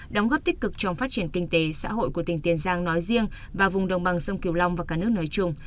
đóng góp tích cực trong phát triển kinh tế xã hội của tỉnh tiền giang nói riêng và vùng đồng bằng sông kiều long và cả nước nói chung